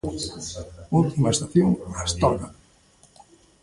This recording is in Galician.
Última estación: Astorga.